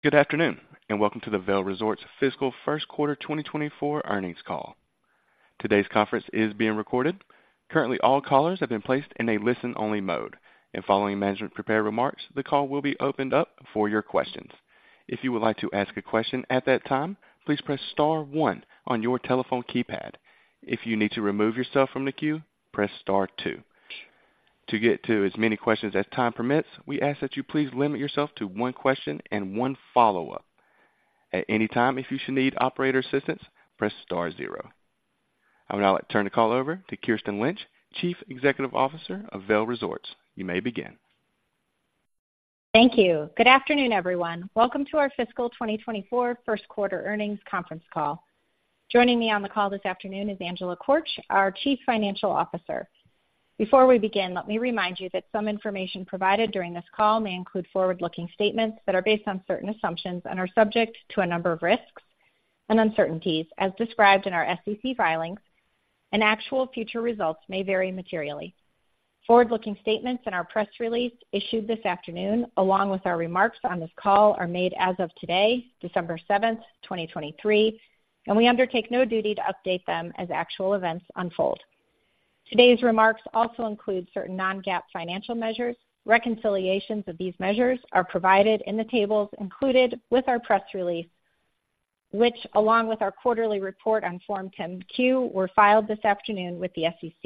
Good afternoon, and welcome to the Vail Resorts Fiscal First Quarter 2024 earnings call. Today's conference is being recorded. Currently, all callers have been placed in a listen-only mode, and following management prepared remarks, the call will be opened up for your questions. If you would like to ask a question at that time, please press star one on your telephone keypad. If you need to remove yourself from the queue, press star two. To get to as many questions as time permits, we ask that you please limit yourself to one question and one follow-up. At any time, if you should need operator assistance, press star zero. I would now like to turn the call over to Kirsten Lynch, Chief Executive Officer of Vail Resorts. You may begin. Thank you. Good afternoon, everyone. Welcome to our fiscal 2024 first quarter earnings conference call. Joining me on the call this afternoon is Angela Korch, our Chief Financial Officer. Before we begin, let me remind you that some information provided during this call may include forward-looking statements that are based on certain assumptions and are subject to a number of risks and uncertainties as described in our SEC filings, and actual future results may vary materially. Forward-looking statements in our press release issued this afternoon, along with our remarks on this call, are made as of today, December 7, 2023, and we undertake no duty to update them as actual events unfold. Today's remarks also include certain non-GAAP financial measures. Reconciliations of these measures are provided in the tables included with our press release, which, along with our quarterly report on Form 10-Q, were filed this afternoon with the SEC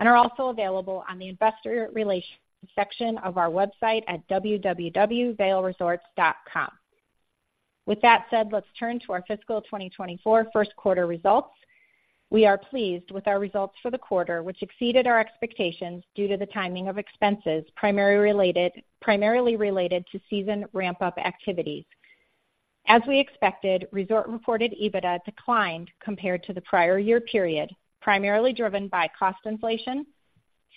and are also available on the investor relations section of our website at www.vailresorts.com. With that said, let's turn to our fiscal 2024 first quarter results. We are pleased with our results for the quarter, which exceeded our expectations due to the timing of expenses, primarily related to season ramp-up activities. As we expected, Resort-Reported EBITDA declined compared to the prior year period, primarily driven by cost inflation,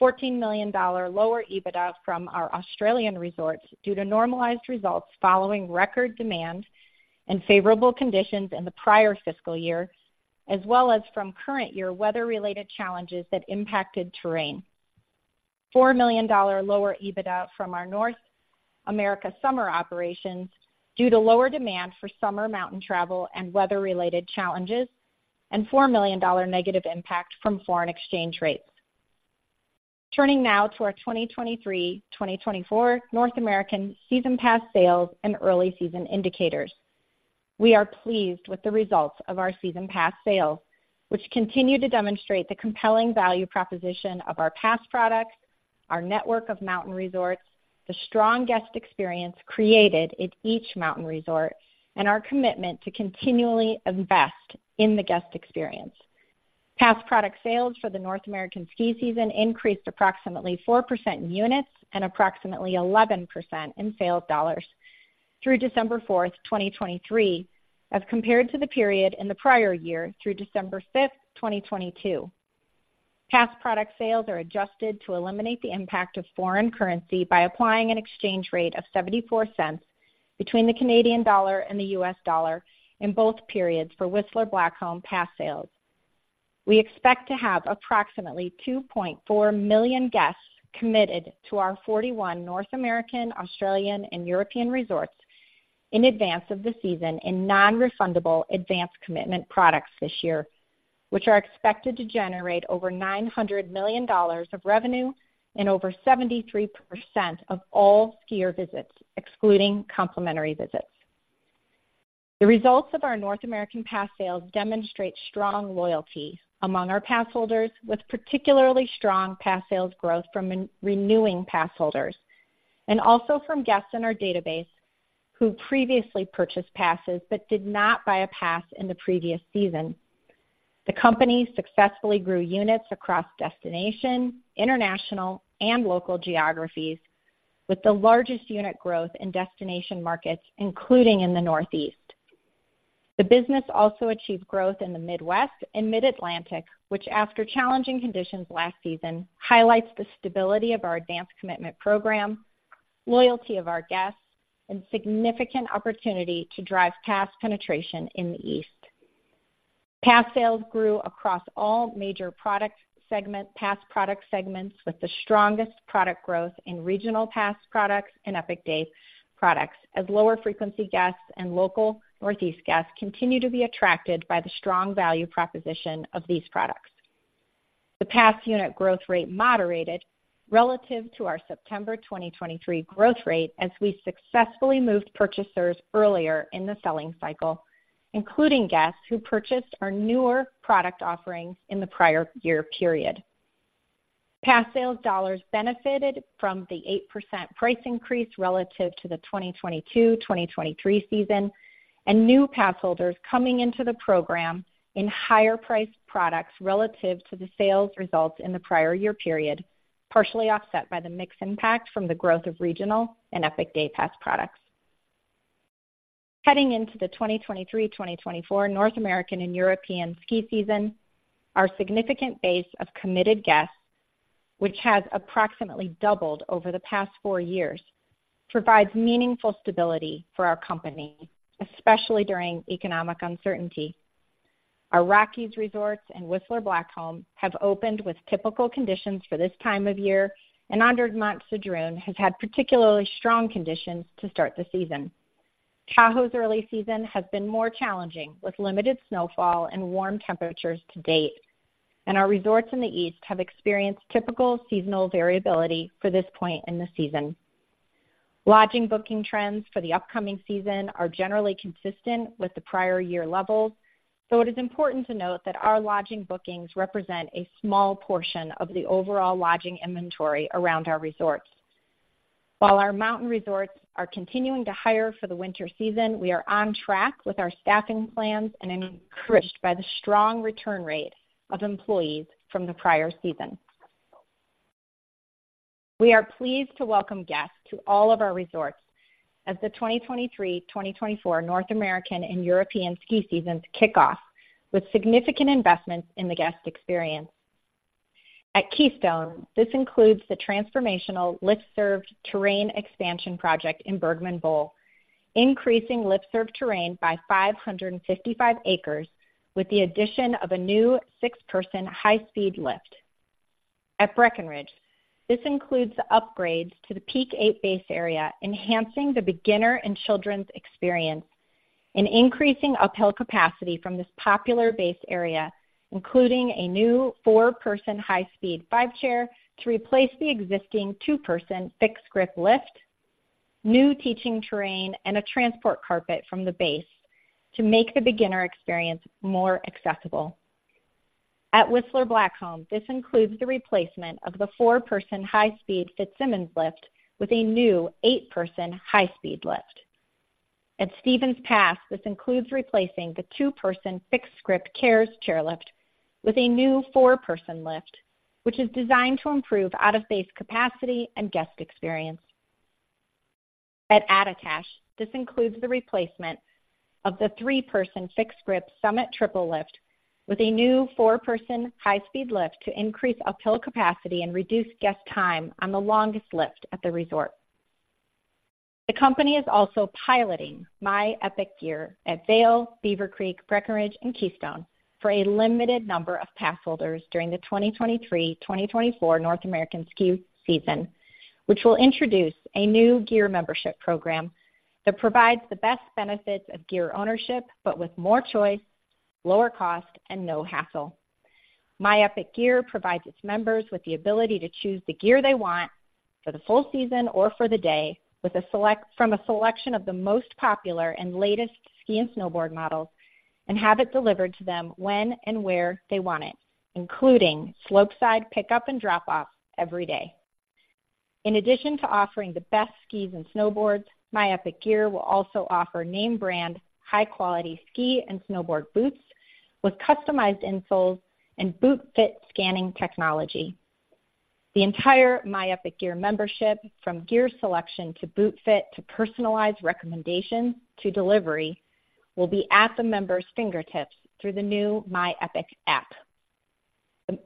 $14 million lower EBITDA from our Australian resorts due to normalized results following record demand and favorable conditions in the prior fiscal year, as well as from current year weather-related challenges that impacted terrain. $4 million lower EBITDA from our North America summer operations due to lower demand for summer mountain travel and weather-related challenges, and $4 million negative impact from foreign exchange rates. Turning now to our 2023/2024 North American season pass sales and early season indicators. We are pleased with the results of our season pass sales, which continue to demonstrate the compelling value proposition of our pass products, our network of mountain resorts, the strong guest experience created at each mountain resort, and our commitment to continually invest in the guest experience. Pass product sales for the North American ski season increased approximately 4% in units and approximately 11% in sales dollars through December 4, 2023, as compared to the period in the prior year through December 5, 2022. Pass product sales are adjusted to eliminate the impact of foreign currency by applying an exchange rate of $0.74 between the Canadian dollar and the US dollar in both periods for Whistler Blackcomb pass sales. We expect to have approximately 2.4 million guests committed to our 41 North American, Australian, and European resorts in advance of the season in non-refundable advance commitment products this year, which are expected to generate over $900 million of revenue and over 73% of all skier visits, excluding complimentary visits. The results of our North American pass sales demonstrate strong loyalty among our pass holders, with particularly strong pass sales growth from re-renewing pass holders, and also from guests in our database who previously purchased passes but did not buy a pass in the previous season. The company successfully grew units across destination, international, and local geographies, with the largest unit growth in destination markets, including in the Northeast. The business also achieved growth in the Midwest and Mid-Atlantic, which, after challenging conditions last season, highlights the stability of our advance commitment program, loyalty of our guests, and significant opportunity to drive pass penetration in the East. Pass sales grew across all major product segment-- pass product segments, with the strongest product growth in regional pass products and Epic Day products, as lower frequency guests and local Northeast guests continue to be attracted by the strong value proposition of these products. The pass unit growth rate moderated relative to our September 2023 growth rate as we successfully moved purchasers earlier in the selling cycle, including guests who purchased our newer product offerings in the prior year period. Pass sales dollars benefited from the 8% price increase relative to the 2022/2023 season, and new pass holders coming into the program in higher priced products relative to the sales results in the prior year period, partially offset by the mix impact from the growth of regional and Epic Day Pass products. Heading into the 2023/2024 North American and European ski season, our significant base of committed guests, which has approximately doubled over the past four years, provides meaningful stability for our company, especially during economic uncertainty.... Our Rockies resorts and Whistler Blackcomb have opened with typical conditions for this time of year, and Andermatt-Sedrun has had particularly strong conditions to start the season. Tahoe's early season has been more challenging, with limited snowfall and warm temperatures to date, and our resorts in the East have experienced typical seasonal variability for this point in the season. Lodging booking trends for the upcoming season are generally consistent with the prior year levels, though it is important to note that our lodging bookings represent a small portion of the overall lodging inventory around our resorts. While our mountain resorts are continuing to hire for the winter season, we are on track with our staffing plans and are encouraged by the strong return rate of employees from the prior season. We are pleased to welcome guests to all of our resorts as the 2023/2024 North American and European ski seasons kick off, with significant investments in the guest experience. At Keystone, this includes the transformational lift-served terrain expansion project in Bergman Bowl, increasing lift-served terrain by 555 acres, with the addition of a new 6-person high-speed lift. At Breckenridge, this includes the upgrades to the Peak 8 base area, enhancing the beginner and children's experience and increasing uphill capacity from this popular base area, including a new 4-person high-speed quad chair to replace the existing 2-person fixed grip lift, new teaching terrain, and a transport carpet from the base to make the beginner experience more accessible. At Whistler Blackcomb, this includes the replacement of the 4-person high-speed Fitzsimmons lift with a new 8-person high-speed lift. At Stevens Pass, this includes replacing the 2-person fixed grip chairlift with a new 4-person lift, which is designed to improve out-of-base capacity and guest experience. At Attitash, this includes the replacement of the 3-person fixed grip summit triple lift with a new 4-person high-speed lift to increase uphill capacity and reduce guest time on the longest lift at the resort. The company is also piloting My Epic Gear at Vail, Beaver Creek, Breckenridge, and Keystone for a limited number of passholders during the 2023/2024 North American ski season, which will introduce a new gear membership program that provides the best benefits of gear ownership, but with more choice, lower cost, and no hassle. My Epic Gear provides its members with the ability to choose the gear they want for the full season or for the day, from a selection of the most popular and latest ski and snowboard models, and have it delivered to them when and where they want it, including slope-side pickup and drop off every day. In addition to offering the best skis and snowboards, My Epic Gear will also offer name brand, high-quality ski and snowboard boots with customized insoles and boot fit scanning technology. The entire My Epic Gear membership, from gear selection to boot fit, to personalized recommendations, to delivery, will be at the member's fingertips through the new My Epic app.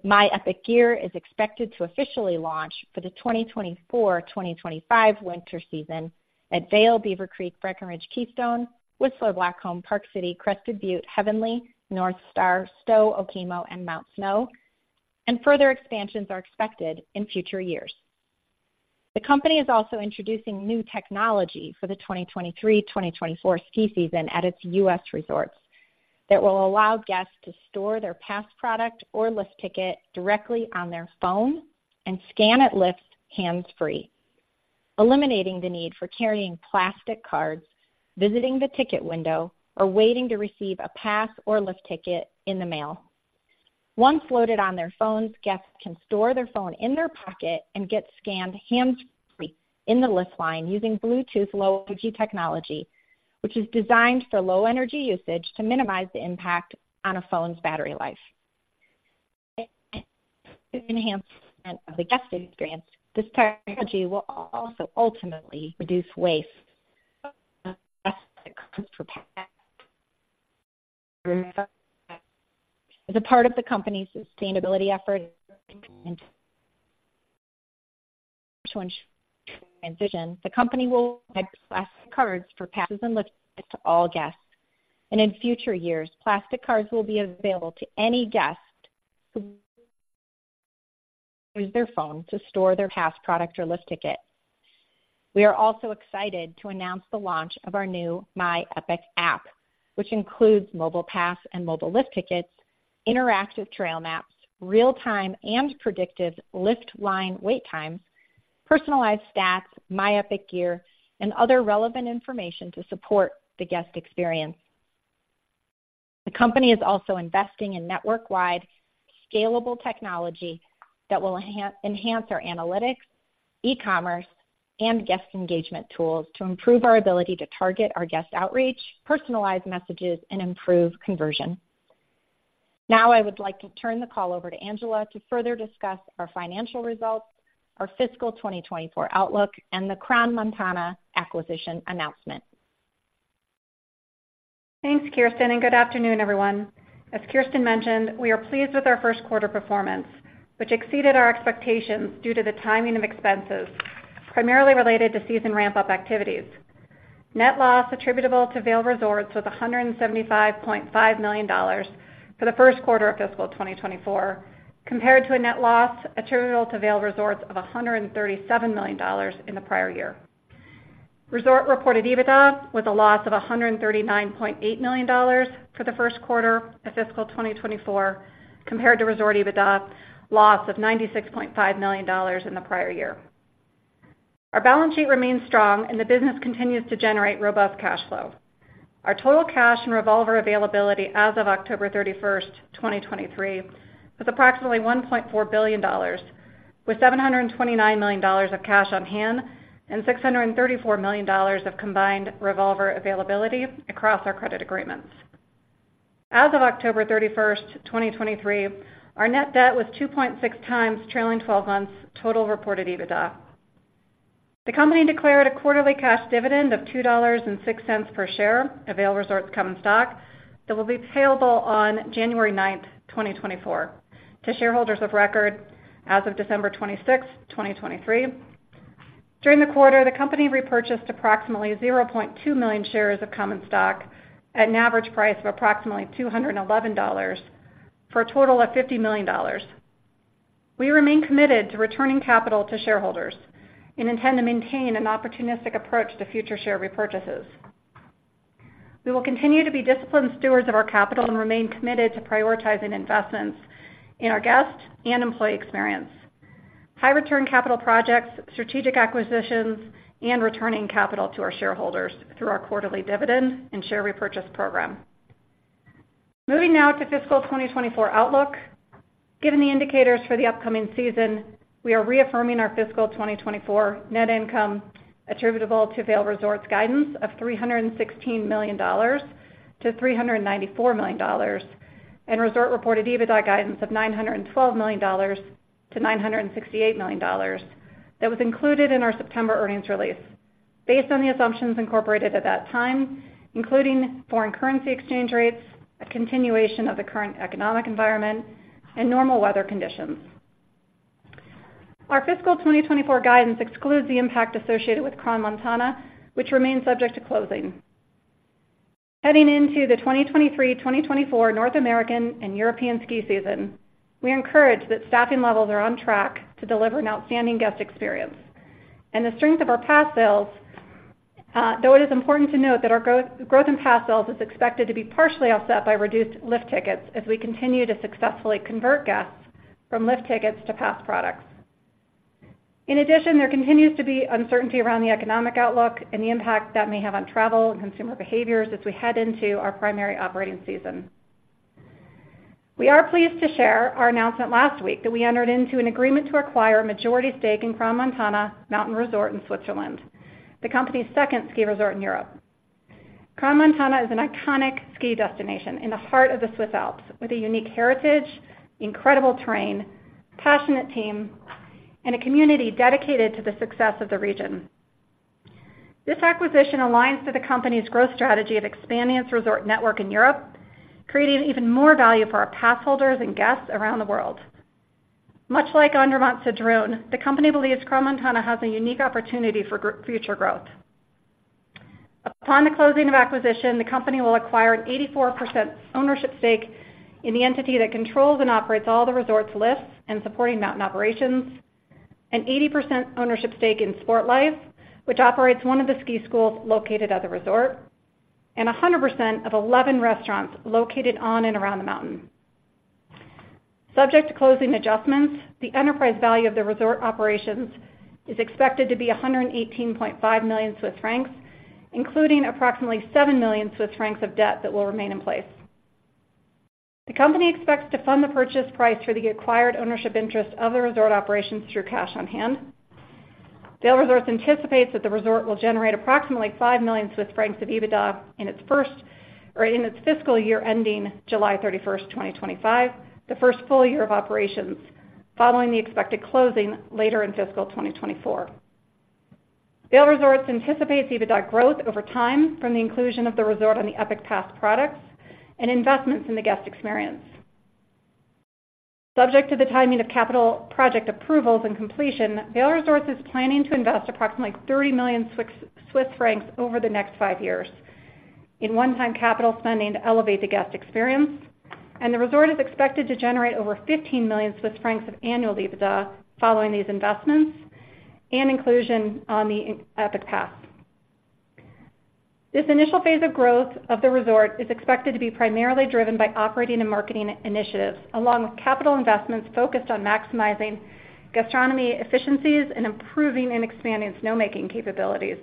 My Epic Gear is expected to officially launch for the 2024/2025 winter season at Vail, Beaver Creek, Breckenridge, Keystone, Whistler Blackcomb, Park City, Crested Butte, Heavenly, Northstar, Stowe, Okemo, and Mount Snow, and further expansions are expected in future years. The company is also introducing new technology for the 2023/2024 ski season at its U.S. resorts, that will allow guests to store their pass product or lift ticket directly on their phone and scan at lifts hands-free, eliminating the need for carrying plastic cards, visiting the ticket window, or waiting to receive a pass or lift ticket in the mail. Once loaded on their phones, guests can store their phone in their pocket and get scanned hands-free in the lift line using Bluetooth Low Energy technology, which is designed for low energy usage to minimize the impact on a phone's battery life. In enhancement of the guest experience, this technology will also ultimately reduce waste as a part of the company's sustainability effort. The company will provide plastic cards for passes and lift tickets to all guests, and in future years, plastic cards will be available to any guest who use their phone to store their pass product or lift ticket. We are also excited to announce the launch of our new My Epic app, which includes mobile pass and mobile lift tickets, interactive trail maps, real-time and predictive lift line wait times, personalized stats, My Epic Gear, and other relevant information to support the guest experience. The company is also investing in network-wide scalable technology that will enhance our analytics, e-commerce, and guest engagement tools to improve our ability to target our guest outreach, personalize messages, and improve conversion. Now, I would like to turn the call over to Angela to further discuss our financial results, our fiscal 2024 outlook, and the Crans-Montana acquisition announcement. Thanks, Kirsten, and good afternoon, everyone. As Kirsten mentioned, we are pleased with our first quarter performance, which exceeded our expectations due to the timing of expenses, primarily related to season ramp-up activities. Net loss attributable to Vail Resorts was $175.5 million for the first quarter of fiscal 2024, compared to a net loss attributable to Vail Resorts of $137 million in the prior year. Resort Reported EBITDA was a loss of $139.8 million for the first quarter of fiscal 2024, compared to Resort Reported EBITDA loss of $96.5 million in the prior year. Our balance sheet remains strong, and the business continues to generate robust cash flow. Our total cash and revolver availability as of October 31st, 2023, was approximately $1.4 billion, with $729 million of cash on hand and $634 million of combined revolver availability across our credit agreements. As of October 31st, 2023, our net debt was 2.6x trailing 12 months total reported EBITDA. The company declared a quarterly cash dividend of $2.06 per share of Vail Resorts common stock that will be payable on January 9th, 2024, to shareholders of record as of December 26th, 2023. During the quarter, the company repurchased approximately 0.2 million shares of common stock at an average price of approximately $211 for a total of $50 million. We remain committed to returning capital to shareholders and intend to maintain an opportunistic approach to future share repurchases. We will continue to be disciplined stewards of our capital and remain committed to prioritizing investments in our guest and employee experience, high return capital projects, strategic acquisitions, and returning capital to our shareholders through our quarterly dividend and share repurchase program. Moving now to fiscal 2024 outlook. Given the indicators for the upcoming season, we are reaffirming our fiscal 2024 net income attributable to Vail Resorts' guidance of $316 million-$394 million, and Resort-Reported EBITDA guidance of $912 million-$968 million that was included in our September earnings release, based on the assumptions incorporated at that time, including foreign currency exchange rates, a continuation of the current economic environment, and normal weather conditions. Our fiscal 2024 guidance excludes the impact associated with Crans-Montana, which remains subject to closing. Heading into the 2023-2024 North American and European ski season, we are encouraged that staffing levels are on track to deliver an outstanding guest experience and the strength of our pass sales, though it is important to note that our growth in pass sales is expected to be partially offset by reduced lift tickets as we continue to successfully convert guests from lift tickets to pass products. In addition, there continues to be uncertainty around the economic outlook and the impact that may have on travel and consumer behaviors as we head into our primary operating season. We are pleased to share our announcement last week that we entered into an agreement to acquire a majority stake in Crans-Montana Mountain Resort in Switzerland, the company's second ski resort in Europe. Crans-Montana is an iconic ski destination in the heart of the Swiss Alps, with a unique heritage, incredible terrain, passionate team, and a community dedicated to the success of the region. This acquisition aligns with the company's growth strategy of expanding its resort network in Europe, creating even more value for our pass holders and guests around the world. Much like Andermatt-Sedrun, the company believes Crans-Montana has a unique opportunity for great future growth. Upon the closing of acquisition, the company will acquire an 84% ownership stake in the entity that controls and operates all the resort's lifts and supporting mountain operations, an 80% ownership stake in Sportlife, which operates one of the ski schools located at the resort, and 100% of 11 restaurants located on and around the mountain. Subject to closing adjustments, the enterprise value of the resort operations is expected to be 118.5 million Swiss francs, including approximately 7 million Swiss francs of debt that will remain in place. The company expects to fund the purchase price for the acquired ownership interest of the resort operations through cash on hand. Vail Resorts anticipates that the resort will generate approximately 5 million Swiss francs of EBITDA in its first or in its fiscal year ending July 31st, 2025, the first full year of operations following the expected closing later in fiscal 2024. Vail Resorts anticipates EBITDA growth over time from the inclusion of the resort on the Epic Pass products and investments in the guest experience. Subject to the timing of capital project approvals and completion, Vail Resorts is planning to invest approximately 30 million Swiss francs over the next five years in one-time capital spending to elevate the guest experience, and the resort is expected to generate over 15 million Swiss francs of annual EBITDA following these investments and inclusion on the Epic Pass. This initial phase of growth of the resort is expected to be primarily driven by operating and marketing initiatives, along with capital investments focused on maximizing gastronomy efficiencies and improving and expanding snowmaking capabilities.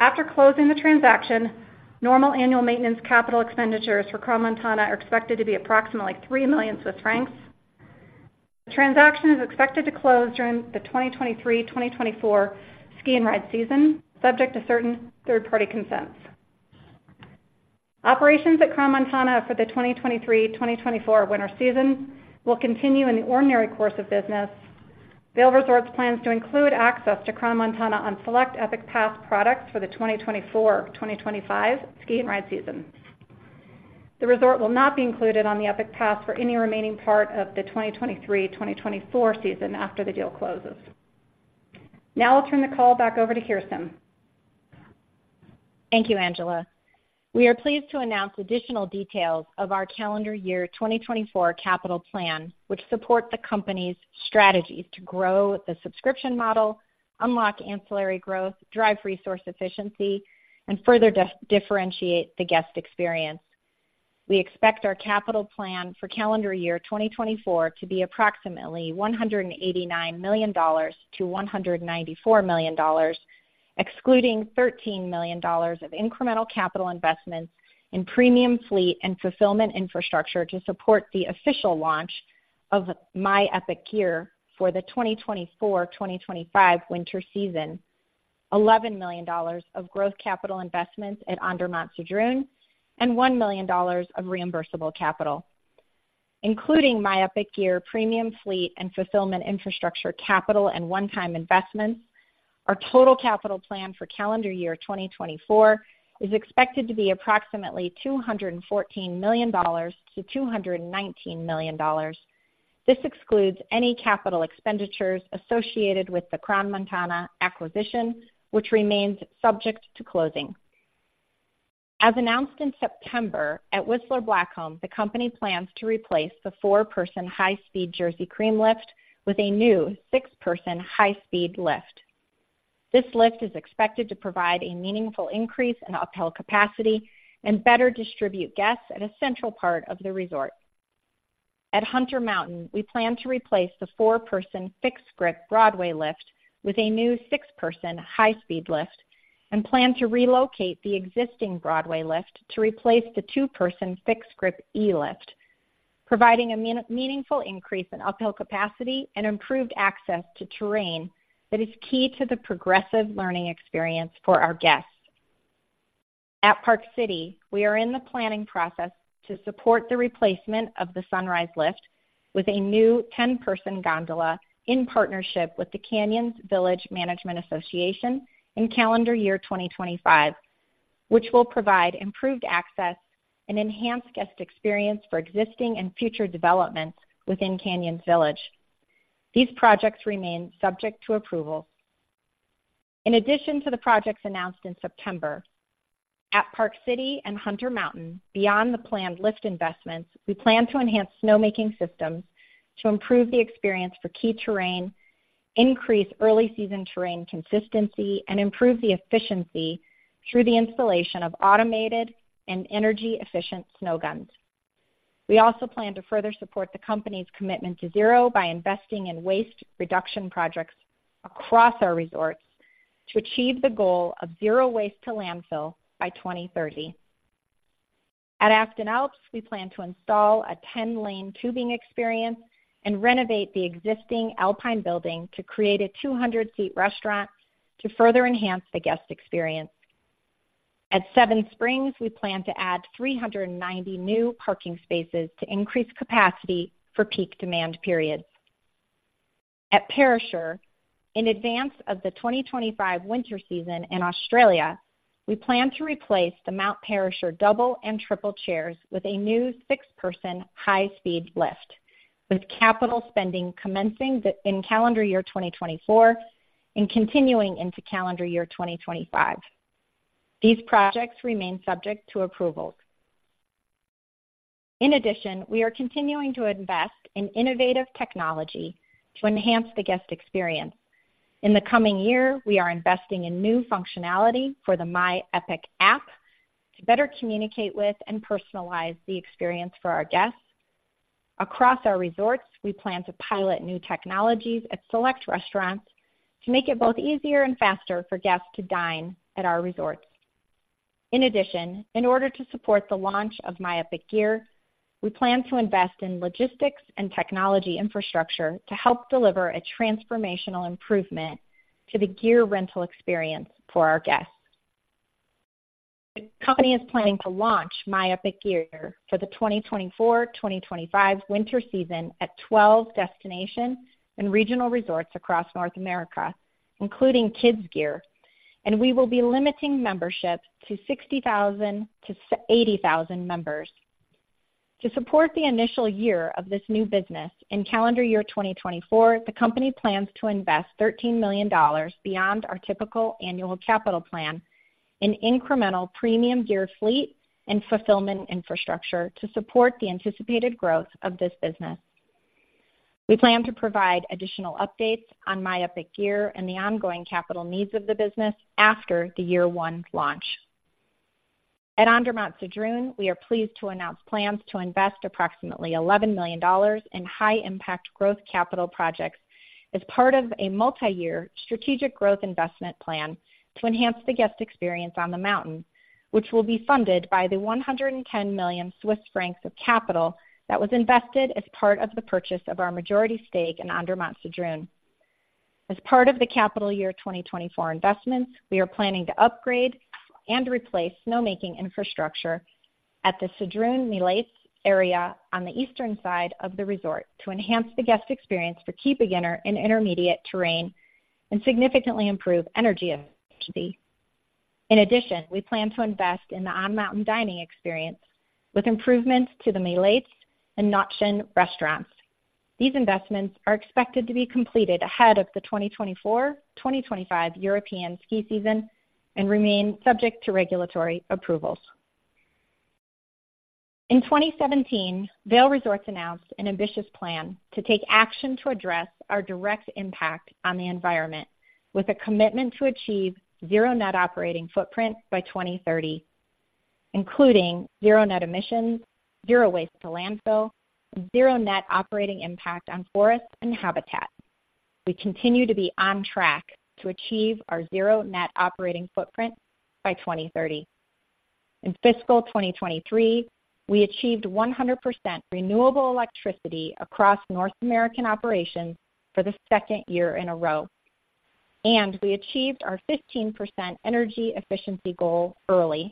After closing the transaction, normal annual maintenance capital expenditures for Crans-Montana are expected to be approximately 3 million Swiss francs. The transaction is expected to close during the 2023-2024 ski and ride season, subject to certain third-party consents. Operations at Crans-Montana for the 2023-2024 winter season will continue in the ordinary course of business. Vail Resorts plans to include access to Crans-Montana on select Epic Pass products for the 2024-2025 ski and ride season. The resort will not be included on the Epic Pass for any remaining part of the 2023/2024 season after the deal closes. Now I'll turn the call back over to Kirsten. Thank you, Angela. We are pleased to announce additional details of our calendar year 2024 capital plan, which support the company's strategies to grow the subscription model, unlock ancillary growth, drive resource efficiency, and further differentiate the guest experience. We expect our capital plan for calendar year 2024 to be approximately $189 million-$194 million, excluding $13 million of incremental capital investments in premium fleet and fulfillment infrastructure to support the official launch of My Epic Gear for the 2024/2025 winter season. $11 million of growth capital investments at Andermatt-Sedrun, and $1 million of reimbursable capital. Including My Epic Gear premium fleet and fulfillment infrastructure capital and one-time investments, our total capital plan for calendar year 2024 is expected to be approximately $214 million-$219 million. This excludes any capital expenditures associated with the Crans-Montana acquisition, which remains subject to closing. As announced in September, at Whistler Blackcomb, the company plans to replace the four-person high-speed Jersey Cream lift with a new six-person high-speed lift. This lift is expected to provide a meaningful increase in uphill capacity and better distribute guests at a central part of the resort. At Hunter Mountain, we plan to replace the 4-person fixed-grip Broadway lift with a new 6-person high-speed lift, and plan to relocate the existing Broadway lift to replace the 2-person fixed-grip E lift, providing a meaningful increase in uphill capacity and improved access to terrain that is key to the progressive learning experience for our guests. At Park City, we are in the planning process to support the replacement of the Sunrise Lift with a new 10-person gondola in partnership with the Canyons Village Management Association in calendar year 2025, which will provide improved access and enhanced guest experience for existing and future developments within Canyons Village. These projects remain subject to approval. In addition to the projects announced in September, at Park City and Hunter Mountain, beyond the planned lift investments, we plan to enhance snowmaking systems to improve the experience for key terrain, increase early season terrain consistency, and improve the efficiency through the installation of automated and energy-efficient snow guns. We also plan to further support the company's commitment to zero by investing in waste reduction projects across our resorts to achieve the goal of zero waste to landfill by 2030. At Afton Alps, we plan to install a 10-lane tubing experience and renovate the existing Alpine building to create a 200-seat restaurant to further enhance the guest experience. At Seven Springs, we plan to add 390 new parking spaces to increase capacity for peak demand periods. At Perisher, in advance of the 2025 winter season in Australia, we plan to replace the Mount Perisher double and triple chairs with a new 6-person high-speed lift, with capital spending commencing in calendar year 2024 and continuing into calendar year 2025. These projects remain subject to approvals. In addition, we are continuing to invest in innovative technology to enhance the guest experience. In the coming year, we are investing in new functionality for the My Epic app to better communicate with and personalize the experience for our guests. Across our resorts, we plan to pilot new technologies at select restaurants to make it both easier and faster for guests to dine at our resorts. In addition, in order to support the launch of My Epic Gear, we plan to invest in logistics and technology infrastructure to help deliver a transformational improvement to the gear rental experience for our guests. The company is planning to launch My Epic Gear for the 2024/2025 winter season at 12 destinations and regional resorts across North America, including kids gear, and we will be limiting membership to 60,000-80,000 members. To support the initial year of this new business, in calendar year 2024, the company plans to invest $13 million beyond our typical annual capital plan in incremental premium gear fleet and fulfillment infrastructure to support the anticipated growth of this business. We plan to provide additional updates on My Epic Gear and the ongoing capital needs of the business after the year one launch. At Andermatt-Sedrun, we are pleased to announce plans to invest approximately $11 million in high-impact growth capital projects as part of a multiyear strategic growth investment plan to enhance the guest experience on the mountain, which will be funded by the 110 million Swiss francs of capital that was invested as part of the purchase of our majority stake in Andermatt-Sedrun. As part of the capital 2024 investments, we are planning to upgrade and replace snowmaking infrastructure at the Sedrun-Milez area on the eastern side of the resort to enhance the guest experience for key beginner and intermediate terrain and significantly improve energy efficiency. In addition, we plan to invest in the on-mountain dining experience, with improvements to the Milez and Natschen restaurants. These investments are expected to be completed ahead of the 2024/2025 European ski season and remain subject to regulatory approvals. In 2017, Vail Resorts announced an ambitious plan to take action to address our direct impact on the environment, with a commitment to achieve zero net operating footprint by 2030, including zero net emissions, zero waste to landfill, zero net operating impact on forests and habitat. We continue to be on track to achieve our zero net operating footprint by 2030. In fiscal 2023, we achieved 100% renewable electricity across North American operations for the second year in a row, and we achieved our 15% energy efficiency goal early,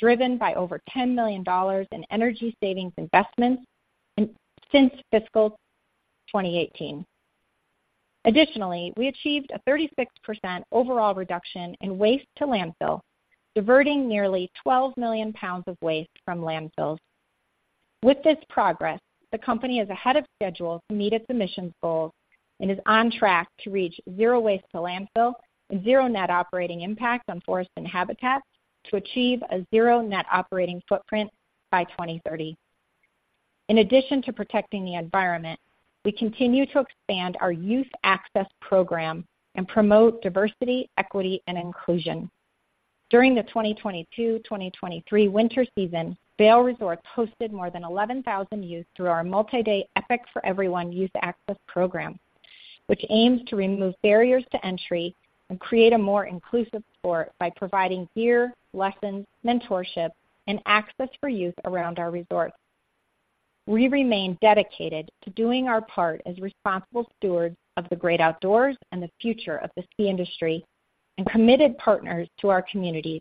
driven by over $10 million in energy savings investments since fiscal 2018. Additionally, we achieved a 36% overall reduction in waste to landfill, diverting nearly 12 million pounds of waste from landfills. With this progress, the company is ahead of schedule to meet its emissions goals and is on track to reach zero waste to landfill and zero net operating impact on forests and habitats to achieve a zero net operating footprint by 2030. In addition to protecting the environment, we continue to expand our Youth Access Program and promote diversity, equity, and inclusion. During the 2022/2023 winter season, Vail Resorts hosted more than 11,000 youth through our multi-day Epic for Everyone Youth Access Program, which aims to remove barriers to entry and create a more inclusive sport by providing gear, lessons, mentorship, and access for youth around our resorts. We remain dedicated to doing our part as responsible stewards of the great outdoors and the future of the ski industry and committed partners to our communities.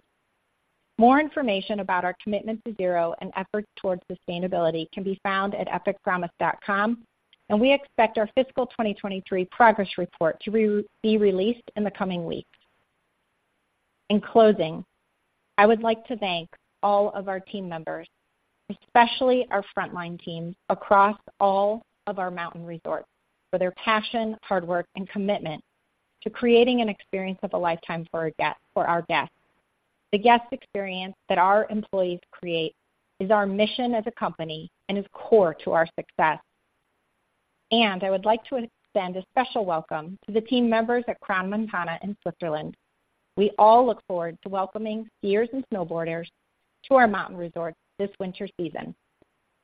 More information about our commitment to zero and efforts towards sustainability can be found at epicpromise.com, and we expect our fiscal 2023 progress report to be released in the coming weeks. In closing, I would like to thank all of our team members, especially our frontline teams across all of our mountain resorts, for their passion, hard work, and commitment to creating an experience of a lifetime for our guests. The guest experience that our employees create is our mission as a company and is core to our success. I would like to extend a special welcome to the team members at Crans-Montana in Switzerland. We all look forward to welcoming skiers and snowboarders to our mountain resorts this winter season.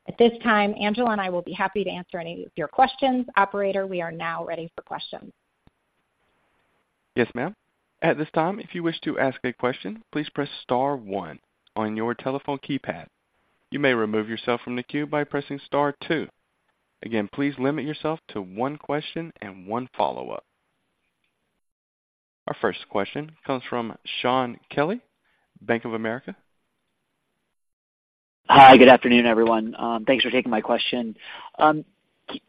At this time, Angela and I will be happy to answer any of your questions. Operator, we are now ready for questions. Yes, ma'am. At this time, if you wish to ask a question, please press star one on your telephone keypad. You may remove yourself from the queue by pressing star two. Again, please limit yourself to one question and one follow-up. Our first question comes from Shaun Kelley, Bank of America. Hi, good afternoon, everyone. Thanks for taking my question.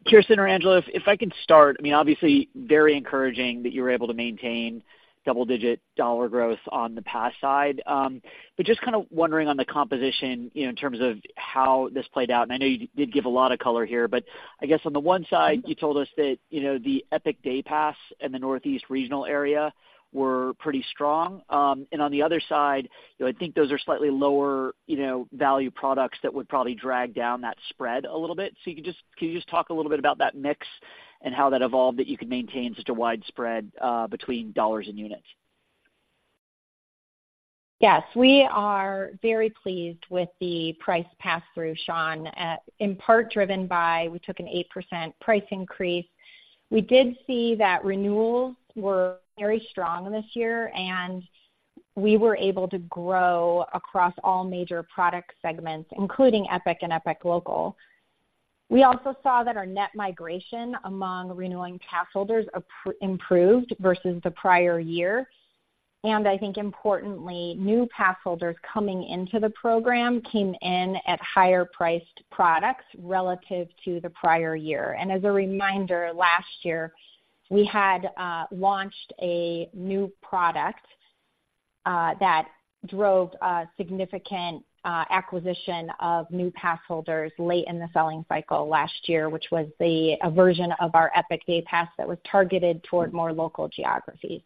Kirsten or Angela, if I can start, I mean, obviously very encouraging that you were able to maintain double-digit dollar growth on the pass side. But just kinda wondering on the composition, you know, in terms of how this played out, and I know you did give a lot of color here, but I guess on the one side, you told us that, you know, the Epic Day Pass in the Northeast regional area were pretty strong. And on the other side, you know, I think those are slightly lower, you know, value products that would probably drag down that spread a little bit. So can you just talk a little bit about that mix and how that evolved, that you could maintain such a wide spread between dollars and units? Yes, we are very pleased with the price pass-through, Shaun, in part driven by we took an 8% price increase. We did see that renewals were very strong this year, and we were able to grow across all major product segments, including Epic and Epic Local. We also saw that our net migration among renewing pass holders improved versus the prior year. And I think importantly, new pass holders coming into the program came in at higher priced products relative to the prior year. And as a reminder, last year, we had launched a new product that drove a significant acquisition of new pass holders late in the selling cycle last year, which was the, a version of our Epic day pass that was targeted toward more local geographies.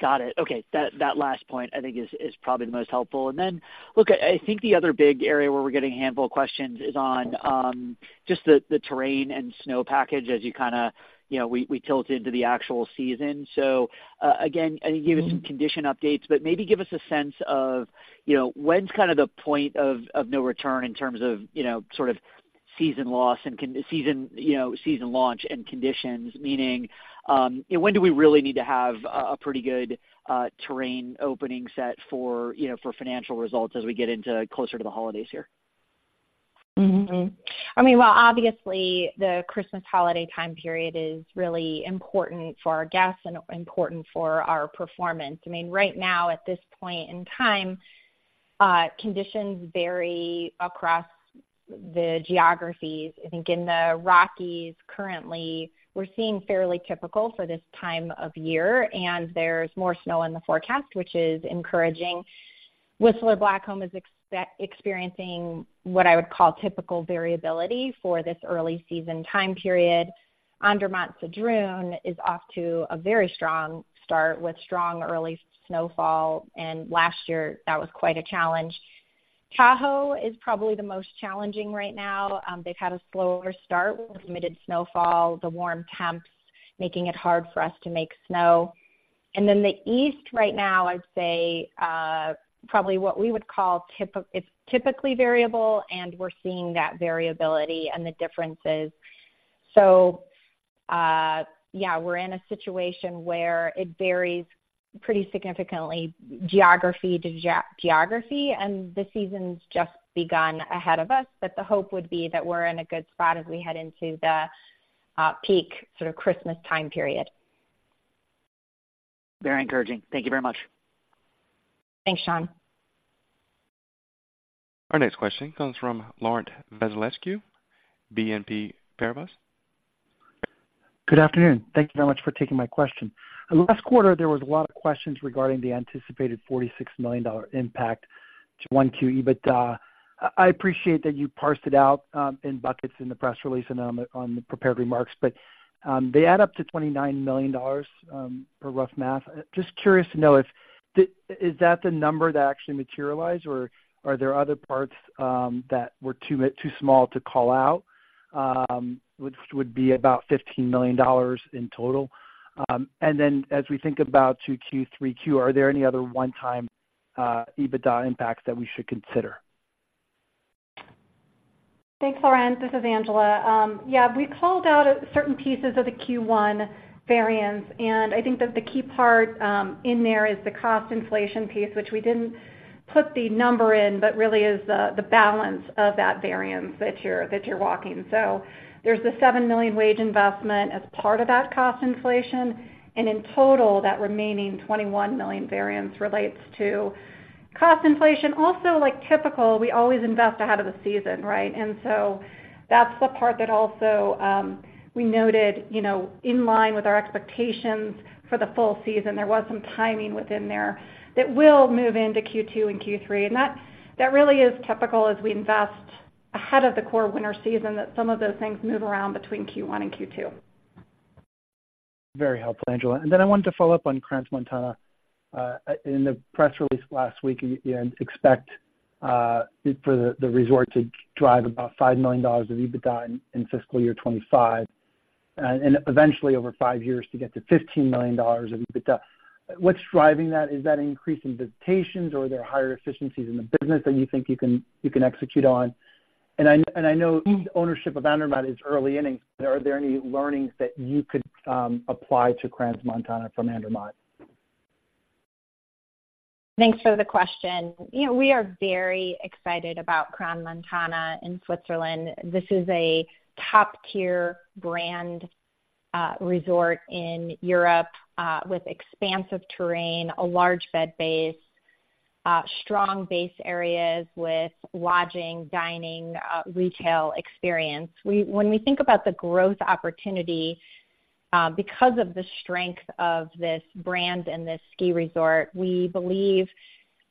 Got it. Okay. That last point, I think is probably the most helpful. And then, look, I think the other big area where we're getting a handful of questions is on just the terrain and snow package as you kinda, you know, we tilt into the actual season. So, again, I think you gave us some condition updates, but maybe give us a sense of, you know, when's kind of the point of no return in terms of, you know, sort of season loss and season launch and conditions, meaning, you know, when do we really need to have a pretty good terrain opening set for, you know, for financial results as we get into closer to the holidays here? Mm-hmm. I mean, well, obviously, the Christmas holiday time period is really important for our guests and important for our performance. I mean, right now, at this point in time, conditions vary across the geographies. I think in the Rockies, currently, we're seeing fairly typical for this time of year, and there's more snow in the forecast, which is encouraging. Whistler Blackcomb is experiencing what I would call typical variability for this early season time period. Andermatt-Sedrun is off to a very strong start with strong early snowfall, and last year, that was quite a challenge. Tahoe is probably the most challenging right now. They've had a slower start with limited snowfall, the warm temps, making it hard for us to make snow. Then the East right now, I'd say, probably what we would call, it's typically variable, and we're seeing that variability and the differences. So, yeah, we're in a situation where it varies pretty significantly, geography to geography, and the season's just begun ahead of us. But the hope would be that we're in a good spot as we head into the peak, sort of Christmas time period. Very encouraging. Thank you very much. Thanks, Shaun. Our next question comes from Laurent Vasilescu, BNP Paribas. Good afternoon. Thank you very much for taking my question. Last quarter, there was a lot of questions regarding the anticipated $46 million impact to 1Q, but I appreciate that you parsed it out in buckets in the press release and on the prepared remarks. But they add up to $29 million per rough math. Just curious to know if is that the number that actually materialized, or are there other parts that were too small to call out, which would be about $15 million in total? And then as we think about Q2 Q3, are there any other one-time EBITDA impacts that we should consider? Thanks, Laurent. This is Angela. Yeah, we called out certain pieces of the Q1 variance, and I think that the key part in there is the cost inflation piece, which we didn't put the number in, but really is the balance of that variance that you're walking. So there's the $7 million wage investment as part of that cost inflation, and in total, that remaining $21 million variance relates to cost inflation. Also, like typical, we always invest ahead of the season, right? And so that's the part that also we noted, you know, in line with our expectations for the full season. There was some timing within there that will move into Q2 and Q3, and that really is typical as we invest ahead of the core winter season, that some of those things move around between Q1 and Q2. Very helpful, Angela. And then I wanted to follow up on Crans-Montana. In the press release last week, you expect for the resort to drive about $5 million of EBITDA in fiscal year 2025, and eventually over five years to get to $15 million of EBITDA. What's driving that? Is that an increase in visitations, or are there higher efficiencies in the business that you think you can execute on? And I know ownership of Andermatt is early innings, but are there any learnings that you could apply to Crans-Montana from Andermatt? Thanks for the question. You know, we are very excited about Crans-Montana in Switzerland. This is a top-tier brand resort in Europe with expansive terrain, a large bed base, strong base areas with lodging, dining, retail experience. We when we think about the growth opportunity, because of the strength of this brand and this ski resort, we believe,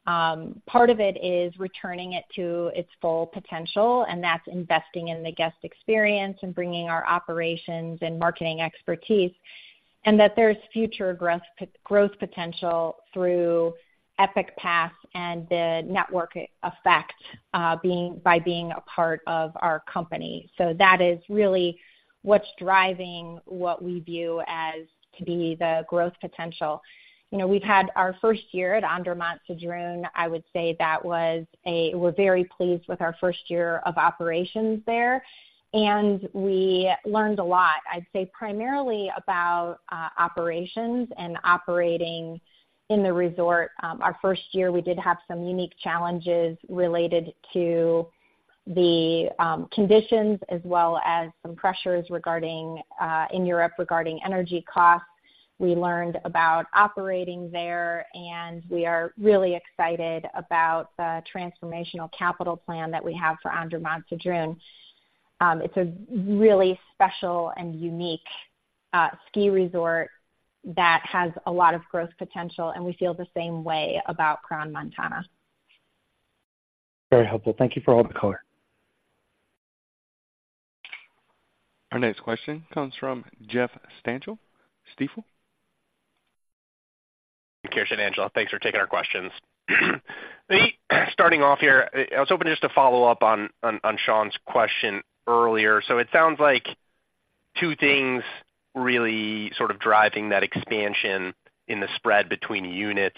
part of it is returning it to its full potential, and that's investing in the guest experience and bringing our operations and marketing expertise, and that there's future growth growth potential through Epic Pass and the network effect, being, by being a part of our company. So that is really what's driving what we view as to be the growth potential. You know, we've had our first year at Andermatt-Sedrun. I would say that was a—we're very pleased with our first year of operations there, and we learned a lot, I'd say, primarily about operations and operating in the resort. Our first year, we did have some unique challenges related to the conditions, as well as some pressures regarding in Europe, regarding energy costs. We learned about operating there, and we are really excited about the transformational capital plan that we have for Andermatt-Sedrun. It's a really special and unique ski resort that has a lot of growth potential, and we feel the same way about Crans-Montana. Very helpful. Thank you for all the color. Our next question comes from Jeff Stantial, Stifel. Kirsten, Angela, thanks for taking our questions. Starting off here, I was hoping just to follow up on, on Shaun's question earlier. So it sounds like two things really sort of driving that expansion in the spread between units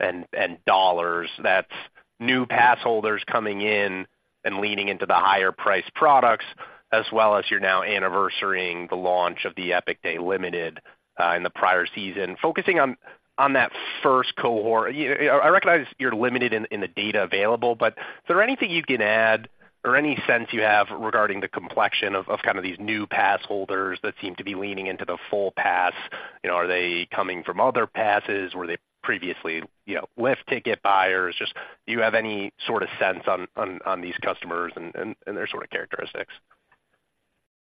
and, and dollars. That's new passholders coming in and leaning into the higher priced products, as well as you're now anniversarying the launch of the Epic Day Pass in the prior season. Focusing on, on that first cohort, you know, I recognize you're limited in, in the data available, but is there anything you can add or any sense you have regarding the complexion of, of kind of these new passholders that seem to be leaning into the full pass? You know, are they coming from other passes? Were they previously, you know, lift ticket buyers? Just, do you have any sort of sense on these customers and their sort of characteristics?...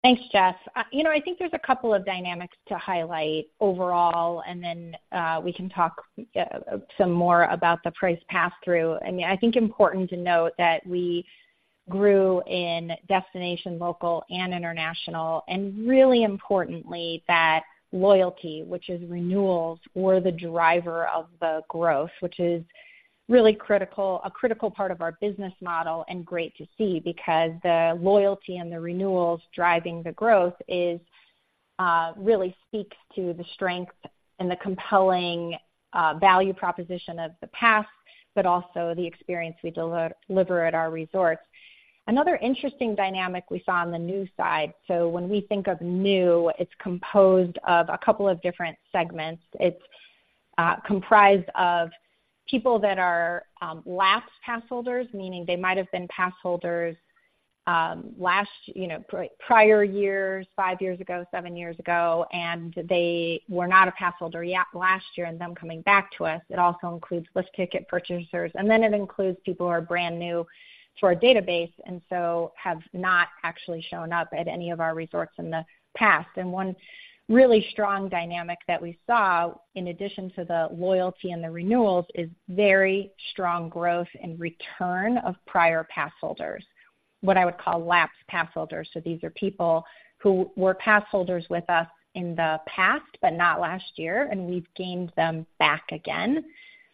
Thanks, Jeff. You know, I think there's a couple of dynamics to highlight overall, and then we can talk some more about the price pass-through. I mean, I think important to note that we grew in destination, local, and international, and really importantly, that loyalty, which is renewals, were the driver of the growth, which is really critical, a critical part of our business model and great to see, because the loyalty and the renewals driving the growth is really speaks to the strength and the compelling value proposition of the pass, but also the experience we deliver at our resorts. Another interesting dynamic we saw on the new side, so when we think of new, it's composed of a couple of different segments. It's comprised of people that are lapsed pass holders, meaning they might have been pass holders last, you know, prior years, five years ago, seven years ago, and they were not a pass holder last year, and them coming back to us. It also includes lift ticket purchasers, and then it includes people who are brand new to our database, and so have not actually shown up at any of our resorts in the past. One really strong dynamic that we saw, in addition to the loyalty and the renewals, is very strong growth in return of prior pass holders, what I would call lapsed pass holders. So these are people who were pass holders with us in the past, but not last year, and we've gained them back again,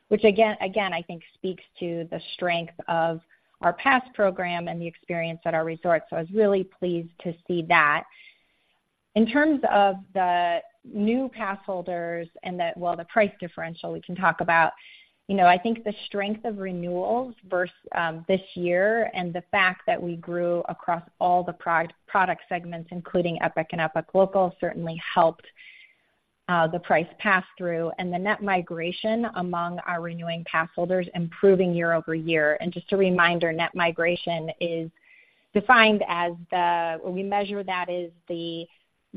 which again, again, I think speaks to the strength of our pass program and the experience at our resorts. So I was really pleased to see that. In terms of the new pass holders and the, well, the price differential, we can talk about. You know, I think the strength of renewals versus this year and the fact that we grew across all the product segments, including Epic and Epic Local, certainly helped the price pass-through, and the net migration among our renewing pass holders improving year-over-year. And just a reminder, net migration is defined as the... We measure that as the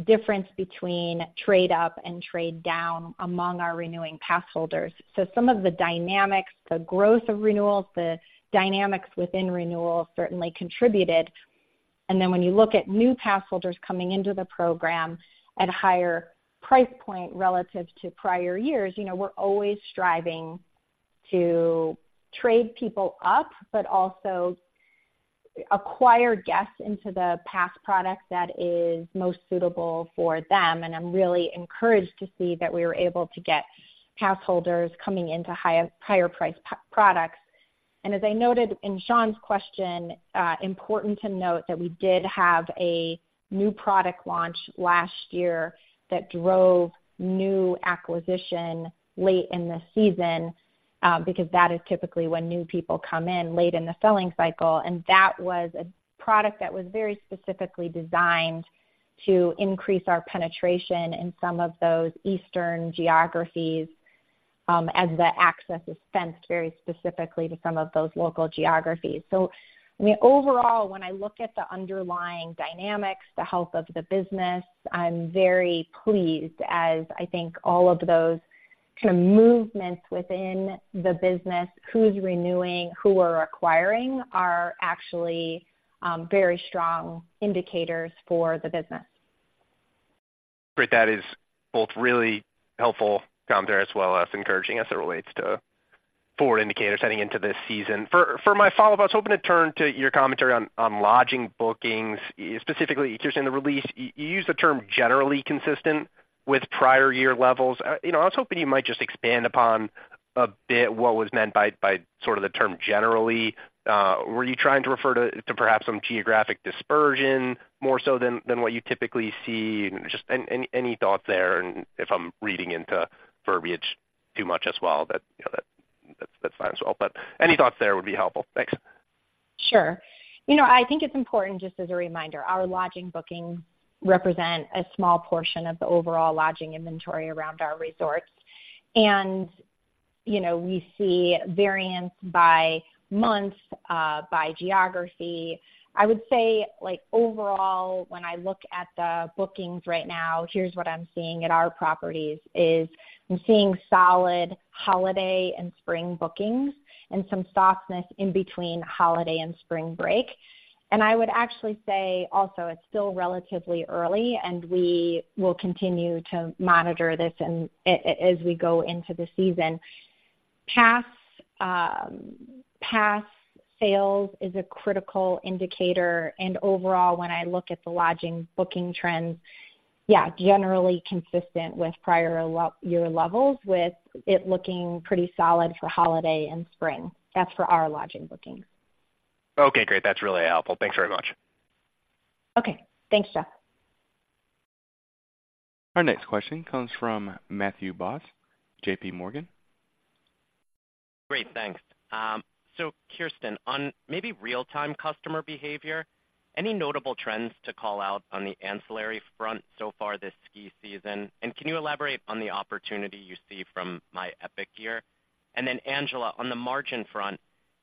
difference between trade up and trade down among our renewing pass holders. So some of the dynamics, the growth of renewals, the dynamics within renewal, certainly contributed. And then when you look at new pass holders coming into the program at a higher price point relative to prior years, you know, we're always striving to trade people up, but also acquire guests into the pass product that is most suitable for them. And I'm really encouraged to see that we were able to get pass holders coming into higher priced products. And as I noted in Shaun's question, important to note that we did have a new product launch last year that drove new acquisition late in the season, because that is typically when new people come in, late in the selling cycle. That was a product that was very specifically designed to increase our penetration in some of those eastern geographies, as the access is fenced very specifically to some of those local geographies. So, I mean, overall, when I look at the underlying dynamics, the health of the business, I'm very pleased, as I think all of those kind of movements within the business, who's renewing, who we're acquiring, are actually very strong indicators for the business. Great. That is both really helpful commentary as well as encouraging as it relates to forward indicators heading into this season. For my follow-up, I was hoping to turn to your commentary on lodging bookings. Specifically, just in the release, you use the term generally consistent with prior year levels. You know, I was hoping you might just expand upon a bit what was meant by, by sort of the term generally. Were you trying to refer to, to perhaps some geographic dispersion more so than, than what you typically see? Just any thoughts there, and if I'm reading into verbiage too much as well, that, you know, that's fine as well. But any thoughts there would be helpful. Thanks. Sure. You know, I think it's important, just as a reminder, our lodging bookings represent a small portion of the overall lodging inventory around our resorts. You know, we see variance by month, by geography. I would say, like, overall, when I look at the bookings right now, here's what I'm seeing at our properties, is I'm seeing solid holiday and spring bookings and some softness in between holiday and spring break. I would actually say also, it's still relatively early, and we will continue to monitor this and as we go into the season. Pass sales is a critical indicator, and overall, when I look at the lodging booking trends, yeah, generally consistent with prior year levels, with it looking pretty solid for holiday and spring. That's for our lodging bookings. Okay, great. That's really helpful. Thanks very much. Okay. Thanks, Jeff. Our next question comes from Matthew Boss, JP Morgan. Great, thanks. So Kirsten, on maybe real-time customer behavior, any notable trends to call out on the ancillary front so far this ski season? And can you elaborate on the opportunity you see from My Epic Year? And then, Angela, on the margin front,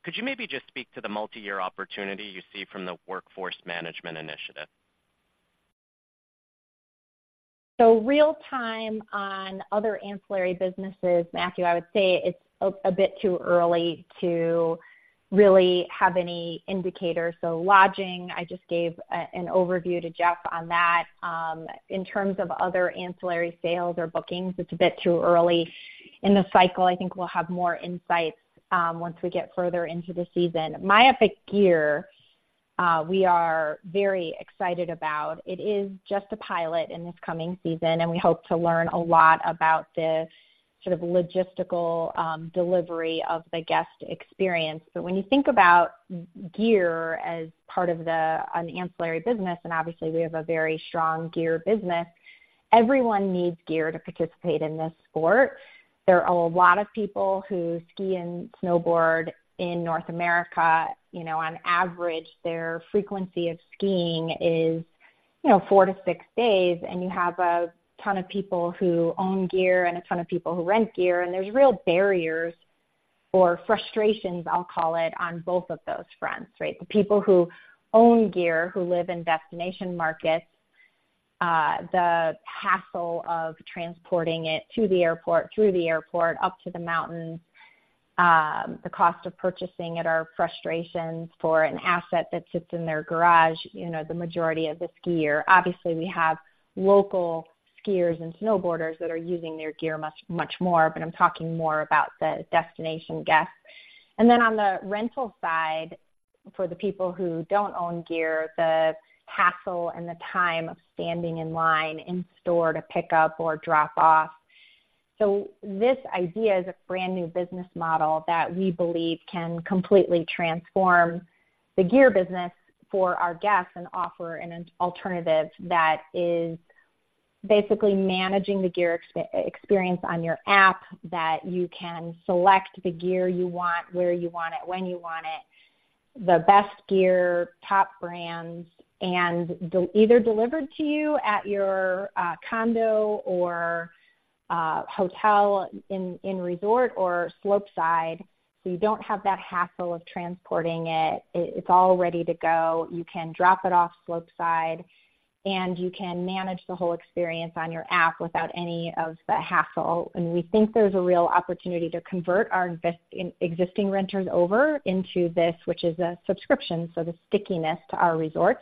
could you maybe just speak to the multi-year opportunity you see from the workforce management initiative?... So real time on other ancillary businesses, Matthew, I would say it's a bit too early to really have any indicators. So lodging, I just gave an overview to Jeff on that. In terms of other ancillary sales or bookings, it's a bit too early in the cycle. I think we'll have more insights once we get further into the season. My Epic Gear we are very excited about. It is just a pilot in this coming season, and we hope to learn a lot about the sort of logistical delivery of the guest experience. But when you think about gear as part of an ancillary business, and obviously, we have a very strong gear business, everyone needs gear to participate in this sport. There are a lot of people who ski and snowboard in North America, you know, on average, their frequency of skiing is, you know, 4-6 days, and you have a ton of people who own gear and a ton of people who rent gear, and there's real barriers or frustrations, I'll call it, on both of those fronts, right? The people who own gear, who live in destination markets, the hassle of transporting it to the airport, through the airport, up to the mountains, the cost of purchasing it are frustrations for an asset that sits in their garage, you know, the majority of the ski year. Obviously, we have local skiers and snowboarders that are using their gear much, much more, but I'm talking more about the destination guests. And then on the rental side, for the people who don't own gear, the hassle and the time of standing in line in store to pick up or drop off. So this idea is a brand-new business model that we believe can completely transform the gear business for our guests and offer an alternative that is basically managing the gear experience on your app, that you can select the gear you want, where you want it, when you want it, the best gear, top brands, and delivered either to you at your condo or hotel in resort or slope side. So you don't have that hassle of transporting it. It's all ready to go. You can drop it off slope side, and you can manage the whole experience on your app without any of the hassle. We think there's a real opportunity to convert our existing renters over into this, which is a subscription, so the stickiness to our resorts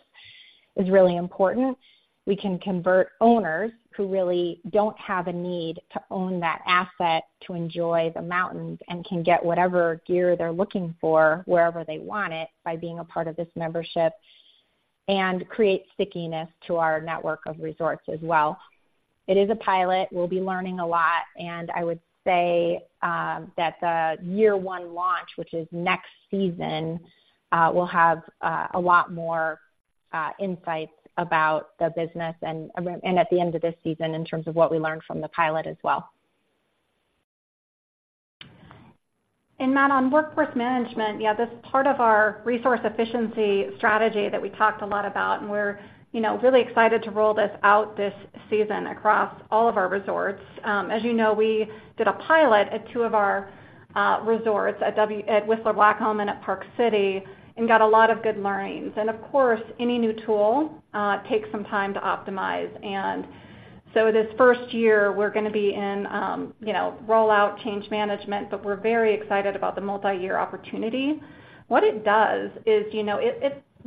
is really important. We can convert owners who really don't have a need to own that asset to enjoy the mountains and can get whatever gear they're looking for wherever they want it by being a part of this membership, and create stickiness to our network of resorts as well. It is a pilot. We'll be learning a lot, and I would say that the year one launch, which is next season, will have a lot more insights about the business and at the end of this season in terms of what we learned from the pilot as well. And Matt, on workforce management, yeah, this is part of our resource efficiency strategy that we talked a lot about, and we're, you know, really excited to roll this out this season across all of our resorts. As you know, we did a pilot at two of our resorts at Whistler Blackcomb and at Park City, and got a lot of good learnings. Of course, any new tool takes some time to optimize. So this first year, we're gonna be in, you know, rollout change management, but we're very excited about the multiyear opportunity. What it does is, you know,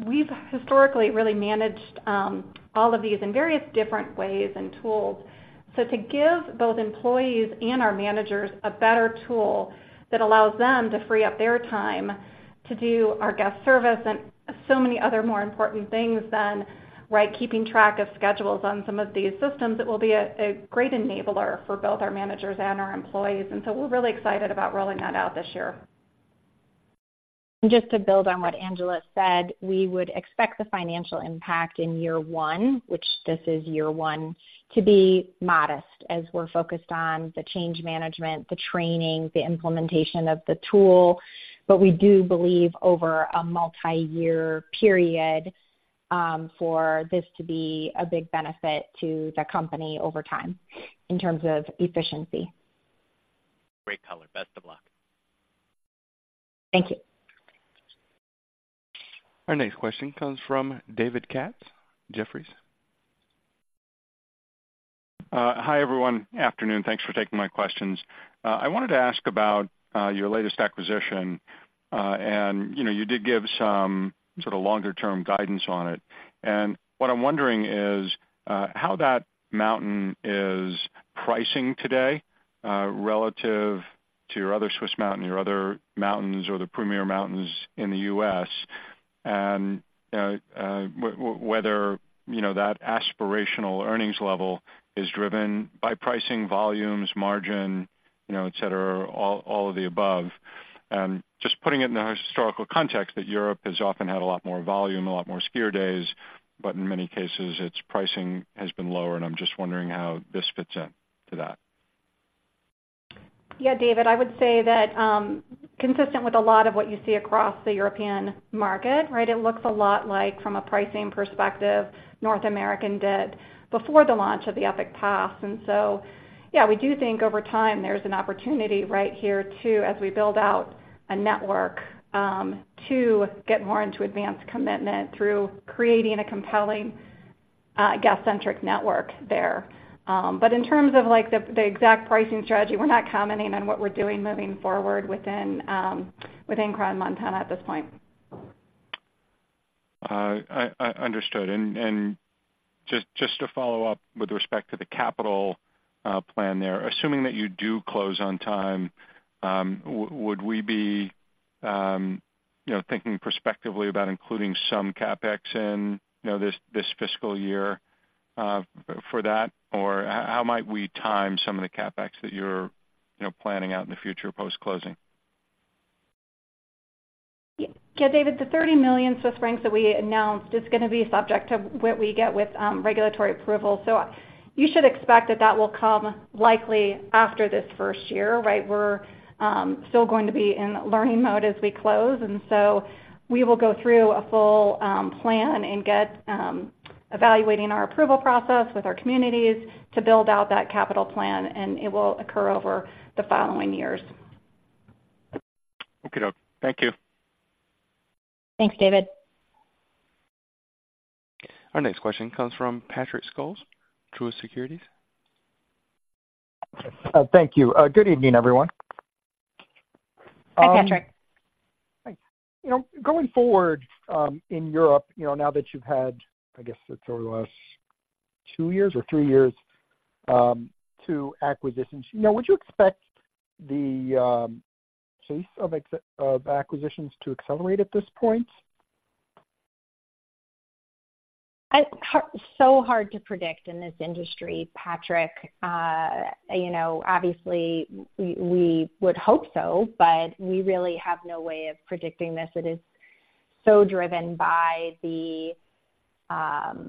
we've historically really managed all of these in various different ways and tools. So to give both employees and our managers a better tool that allows them to free up their time to do our guest service and so many other more important things than, right, keeping track of schedules on some of these systems, it will be a great enabler for both our managers and our employees. And so we're really excited about rolling that out this year. Just to build on what Angela said, we would expect the financial impact in year one, which this is year one, to be modest, as we're focused on the change management, the training, the implementation of the tool. But we do believe over a multiyear period, for this to be a big benefit to the company over time in terms of efficiency. Great color. Best of luck. Thank you. Our next question comes from David Katz, Jefferies. Hi, everyone. Afternoon. Thanks for taking my questions. I wanted to ask about your latest acquisition, and, you know, you did give some sort of longer-term guidance on it. And what I'm wondering is, how that mountain is pricing today, relative to your other Swiss mountain, your other mountains, or the premier mountains in the US, and whether, you know, that aspirational earnings level is driven by pricing, volumes, margin, you know, et cetera, all of the above. Just putting it in a historical context, that Europe has often had a lot more volume, a lot more skier days, but in many cases, its pricing has been lower, and I'm just wondering how this fits in to that. Yeah, David, I would say that, consistent with a lot of what you see across the European market, right, it looks a lot like from a pricing perspective, North American did before the launch of the Epic Pass. And so, yeah, we do think over time, there's an opportunity right here, too, as we build out a network, to get more into advanced commitment through creating a compelling guest-centric network there. But in terms of, like, the exact pricing strategy, we're not commenting on what we're doing moving forward within Crans-Montana at this point. I understood. And just to follow up with respect to the capital plan there, assuming that you do close on time, would we be, you know, thinking prospectively about including some CapEx in, you know, this fiscal year, for that? Or how might we time some of the CapEx that you're, you know, planning out in the future post-closing? Yeah, David, the 30 million Swiss francs that we announced is gonna be subject to what we get with, regulatory approval. So you should expect that that will come likely after this first year, right? We're, still going to be in learning mode as we close, and so we will go through a full, plan and get, evaluating our approval process with our communities to build out that capital plan, and it will occur over the following years. Okie doke. Thank you. Thanks, David. Our next question comes from Patrick Scholes, Truist Securities. Thank you. Good evening, everyone. Hi, Patrick. Thanks. You know, going forward, in Europe, you know, now that you've had, I guess it's over the last two years or three years, two acquisitions, you know, would you expect the pace of acquisitions to accelerate at this point? It's so hard to predict in this industry, Patrick. You know, obviously we would hope so, but we really have no way of predicting this. It is so driven by the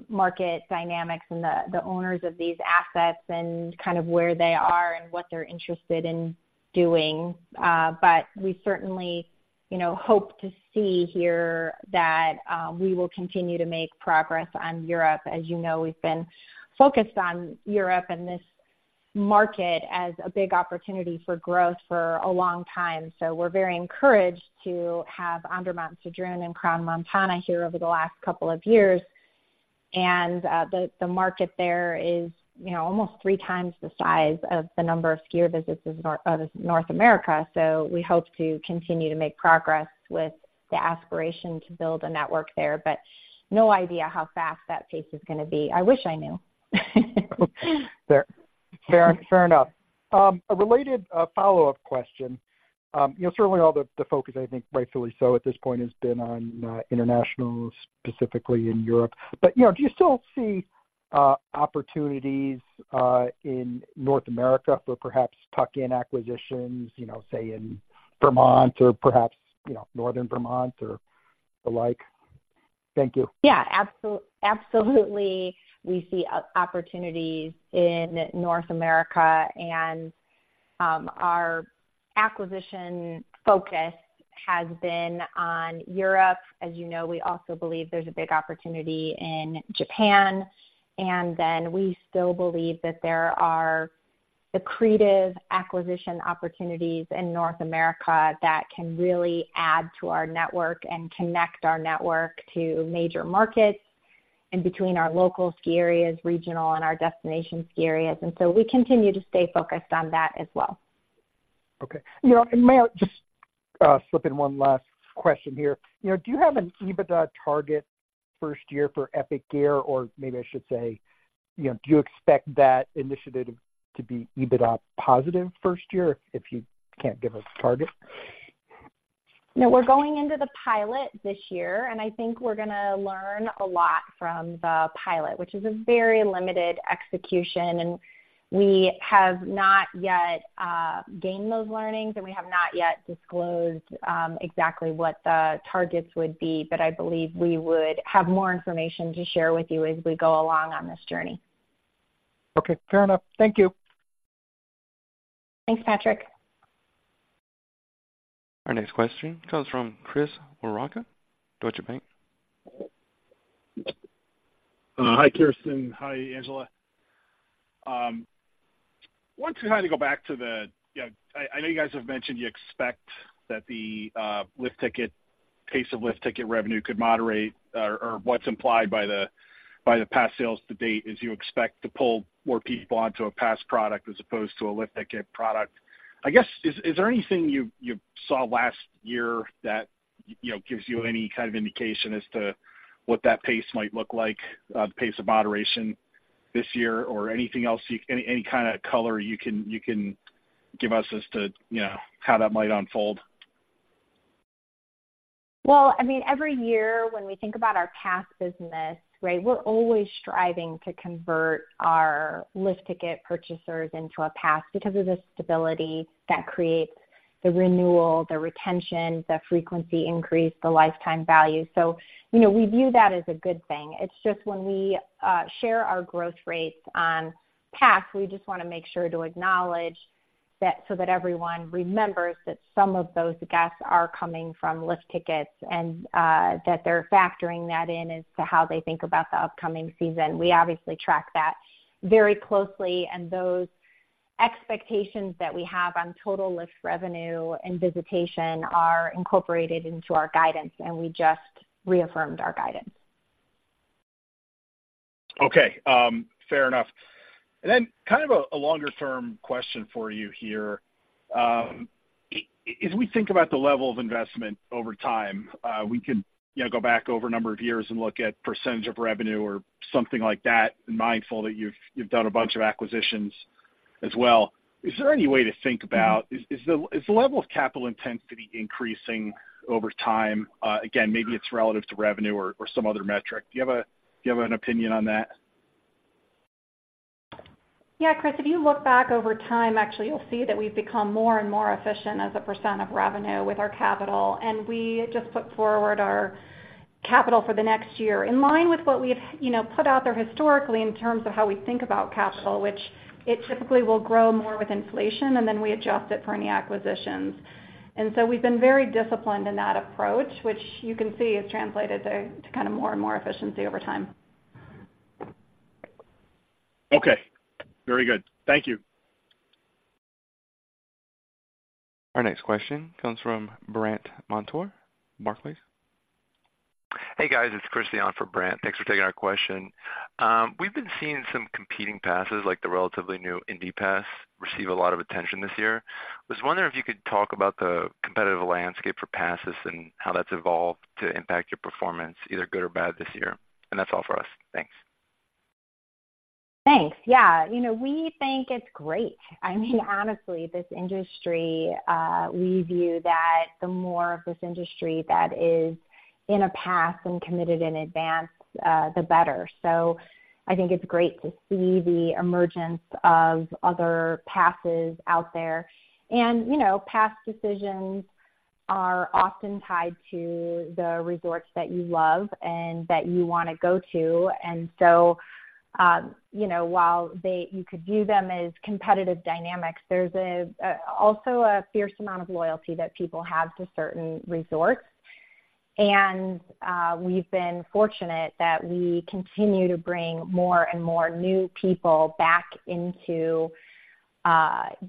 market dynamics and the owners of these assets and kind of where they are and what they're interested in doing. But we certainly, you know, hope to see here that we will continue to make progress on Europe. As you know, we've been focused on Europe and this market as a big opportunity for growth for a long time. So we're very encouraged to have Andermatt-Sedrun and Crans-Montana here over the last couple of years. And the market there is, you know, almost three times the size of the number of skier visits as North America. We hope to continue to make progress with the aspiration to build a network there, but no idea how fast that pace is gonna be. I wish I knew. Fair, fair, fair enough. A related follow-up question. You know, certainly all the focus, I think rightfully so at this point, has been on international, specifically in Europe. But, you know, do you still see opportunities in North America for perhaps tuck-in acquisitions, you know, say, in Vermont or perhaps, you know, northern Vermont or the like? Thank you. Yeah, absolutely, we see opportunities in North America, and our acquisition focus has been on Europe. As you know, we also believe there's a big opportunity in Japan, and then we still believe that there are accretive acquisition opportunities in North America that can really add to our network and connect our network to major markets and between our local ski areas, regional, and our destination ski areas. And so we continue to stay focused on that as well. Okay. You know, and may I just, slip in one last question here. You know, do you have an EBITDA target first year for Epic Gear, or maybe I should say, you know, do you expect that initiative to be EBITDA positive first year if you can't give us a target? No, we're going into the pilot this year, and I think we're gonna learn a lot from the pilot, which is a very limited execution, and we have not yet gained those learnings, and we have not yet disclosed exactly what the targets would be. But I believe we would have more information to share with you as we go along on this journey. Okay, fair enough. Thank you. Thanks, Patrick. Our next question comes from Chris Woronka, Deutsche Bank. Hi, Kirsten. Hi, Angela. Wanted to kind of go back to the, you know, I know you guys have mentioned you expect that the lift ticket pace of lift ticket revenue could moderate, or what's implied by the pass sales to date, is you expect to pull more people onto a pass product as opposed to a lift ticket product. I guess, is there anything you saw last year that, you know, gives you any kind of indication as to what that pace might look like, the pace of moderation this year, or anything else, any kind of color you can give us as to, you know, how that might unfold? Well, I mean, every year when we think about our pass business, right, we're always striving to convert our lift ticket purchasers into a pass because of the stability that creates the renewal, the retention, the frequency increase, the lifetime value. So, you know, we view that as a good thing. It's just when we share our growth rates on pass, we just wanna make sure to acknowledge that so that everyone remembers that some of those guests are coming from lift tickets and that they're factoring that in as to how they think about the upcoming season. We obviously track that very closely, and those expectations that we have on total lift revenue and visitation are incorporated into our guidance, and we just reaffirmed our guidance. Okay, fair enough. And then kind of a longer-term question for you here. As we think about the level of investment over time, we can, you know, go back over a number of years and look at percentage of revenue or something like that, mindful that you've done a bunch of acquisitions as well. Is there any way to think about, is the level of capital intensity increasing over time? Again, maybe it's relative to revenue or some other metric. Do you have an opinion on that? Yeah, Chris, if you look back over time, actually, you'll see that we've become more and more efficient as a percent of revenue with our capital, and we just put forward our capital for the next year. In line with what we've, you know, put out there historically in terms of how we think about capital, which it typically will grow more with inflation, and then we adjust it for any acquisitions. And so we've been very disciplined in that approach, which you can see has translated to, to kind of more and more efficiency over time. Okay. Very good. Thank you. Our next question comes from Brant Montour, Barclays. Hey, guys. It's Chris in for Brant. Thanks for taking our question. We've been seeing some competing passes, like the relatively new Indy Pass, receive a lot of attention this year. I was wondering if you could talk about the competitive landscape for passes and how that's evolved to impact your performance, either good or bad, this year. That's all for us. Thanks. Thanks. Yeah, you know, we think it's great. I mean, honestly, this industry, we view that the more of this industry that is in a pass and committed in advance, the better. So I think it's great to see the emergence of other passes out there. And, you know, pass decisions are often tied to the resorts that you love and that you wanna go to. And so, you know, while they, you could view them as competitive dynamics, there's also a fierce amount of loyalty that people have to certain resorts. And, we've been fortunate that we continue to bring more and more new people back into,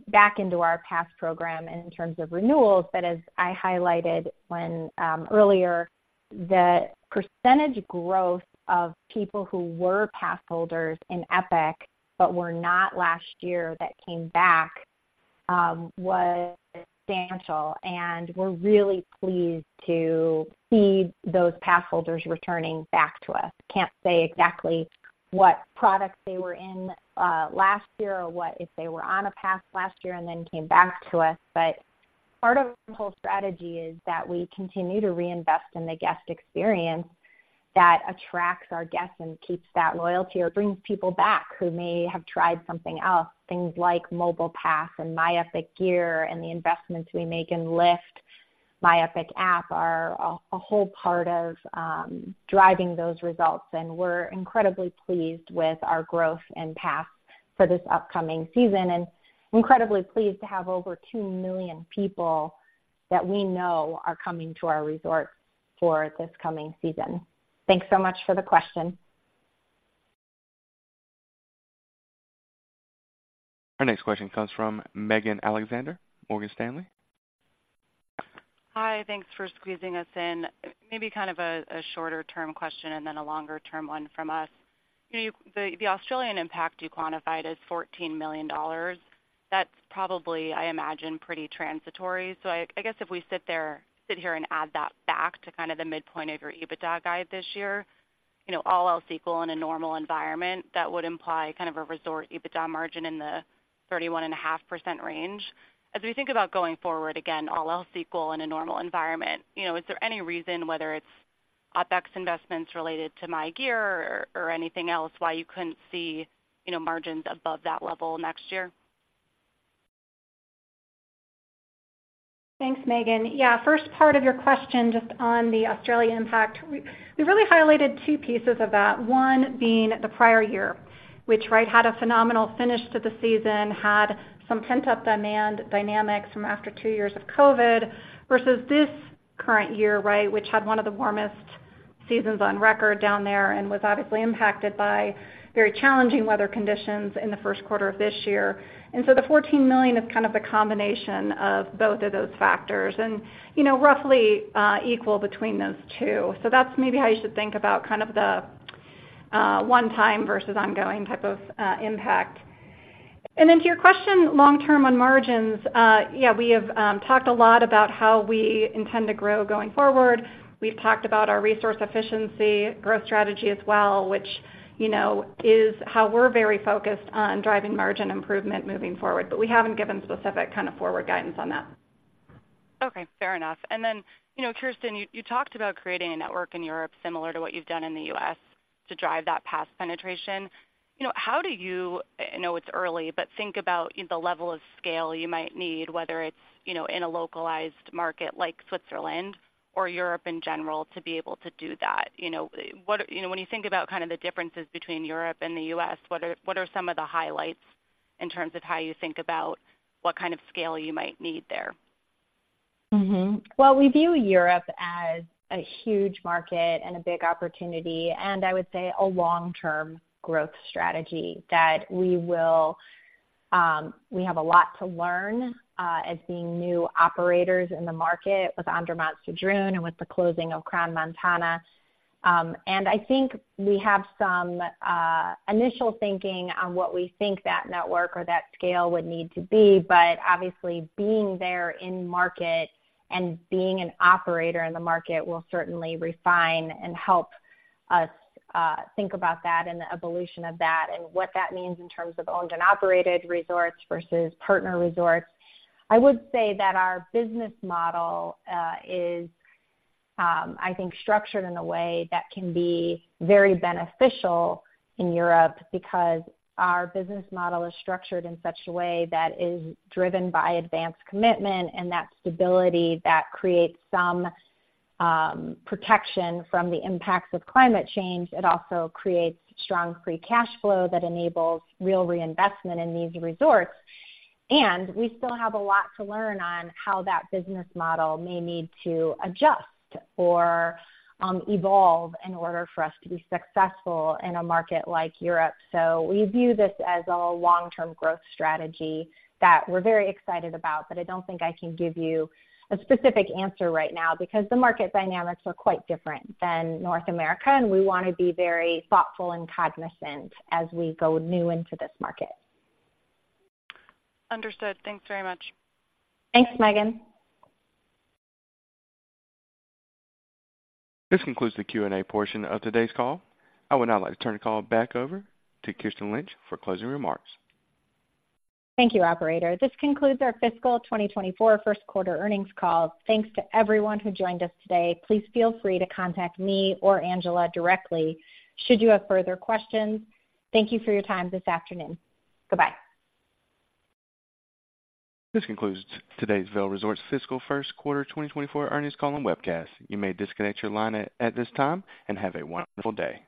back into our pass program in terms of renewals. But as I highlighted when earlier, the percentage growth of people who were pass holders in Epic but were not last year that came back was substantial, and we're really pleased to see those pass holders returning back to us. Can't say exactly what products they were in last year or what—if they were on a pass last year and then came back to us. But part of the whole strategy is that we continue to reinvest in the guest experience that attracts our guests and keeps that loyalty or brings people back who may have tried something else, things like Mobile Pass and My Epic Gear and the investments we make in lifts, My Epic app are a whole part of driving those results. We're incredibly pleased with our growth and pass for this upcoming season, and incredibly pleased to have over 2 million people that we know are coming to our resorts for this coming season. Thanks so much for the question. Our next question comes from Megan Alexander, Morgan Stanley. Hi, thanks for squeezing us in. Maybe kind of a shorter-term question and then a longer-term one from us. You know, the Australian impact you quantified is $14 million. That's probably, I imagine, pretty transitory. So I guess if we sit here and add that back to kind of the midpoint of your EBITDA guide this year, you know, all else equal in a normal environment, that would imply kind of a resort EBITDA margin in the 31.5% range. As we think about going forward, again, all else equal in a normal environment, you know, is there any reason, whether it's OpEx investments related to My Gear or anything else, why you couldn't see, you know, margins above that level next year? Thanks, Megan. Yeah, first part of your question, just on the Australia impact, we really highlighted two pieces of that, one being the prior year, which, right, had a phenomenal finish to the season, had some pent-up demand dynamics from after two years of COVID, versus this current year, right, which had one of the warmest seasons on record down there and was obviously impacted by very challenging weather conditions in the first quarter of this year. And so the $14 million is kind of the combination of both of those factors and, you know, roughly equal between those two. So that's maybe how you should think about kind of the one time versus ongoing type of impact. And then to your question, long term on margins, yeah, we have talked a lot about how we intend to grow going forward. We've talked about our resource efficiency growth strategy as well, which, you know, is how we're very focused on driving margin improvement moving forward, but we haven't given specific kind of forward guidance on that. Okay. Fair enough. And then, you know, Kirsten, you, you talked about creating a network in Europe similar to what you've done in the U.S. to drive that pass penetration. You know, how do you, I know it's early, but think about the level of scale you might need, whether it's, you know, in a localized market like Switzerland or Europe in general, to be able to do that? You know, what are, you know, when you think about kind of the differences between Europe and the U.S., what are, what are some of the highlights in terms of how you think about what kind of scale you might need there?... Mm-hmm. Well, we view Europe as a huge market and a big opportunity, and I would say a long-term growth strategy that we will, we have a lot to learn, as being new operators in the market with Andermatt-Sedrun and with the closing of Crans-Montana. And I think we have some, initial thinking on what we think that network or that scale would need to be, but obviously, being there in market and being an operator in the market will certainly refine and help us, think about that and the evolution of that and what that means in terms of owned and operated resorts versus partner resorts. I would say that our business model is, I think, structured in a way that can be very beneficial in Europe, because our business model is structured in such a way that is driven by advanced commitment and that stability that creates some protection from the impacts of climate change. It also creates strong free cash flow that enables real reinvestment in these resorts, and we still have a lot to learn on how that business model may need to adjust or evolve in order for us to be successful in a market like Europe. So we view this as a long-term growth strategy that we're very excited about, but I don't think I can give you a specific answer right now, because the market dynamics are quite different than North America, and we want to be very thoughtful and cognizant as we go into this new market. Understood. Thanks very much. Thanks, Megan. This concludes the Q&A portion of today's call. I would now like to turn the call back over to Kirsten Lynch for closing remarks. Thank you, operator. This concludes our fiscal 2024 first quarter earnings call. Thanks to everyone who joined us today. Please feel free to contact me or Angela directly should you have further questions. Thank you for your time this afternoon. Goodbye. This concludes today's Vail Resorts fiscal first quarter 2024 earnings call and webcast. You may disconnect your line at this time, and have a wonderful day.